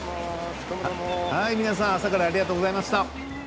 皆さん朝からありがとうございました。